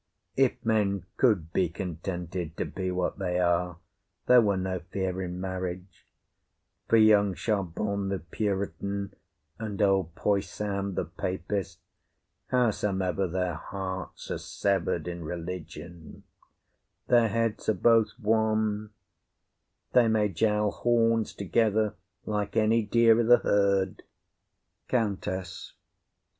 If men could be contented to be what they are, there were no fear in marriage; for young Charbon the puritan and old Poysam the papist, howsome'er their hearts are sever'd in religion, their heads are both one; they may jowl horns together like any deer i' the herd. COUNTESS.